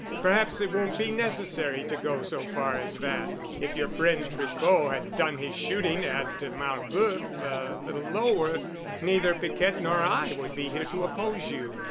Perhaps it won't be necessary to go so far as that. If your friend Tricot had done his shooting at Marboeuf a little lower neither Piquette nor I would be here to oppose you."